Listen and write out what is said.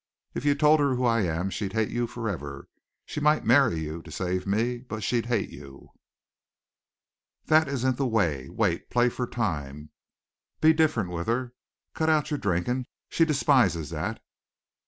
If you told her who I am she'd hate you forever. She might marry you to save me, but she'd hate you. "That isn't the way. Wait. Play for time. Be different with her. Cut out your drinking. She despises that.